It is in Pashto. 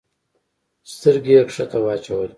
سترګي یې کښته واچولې !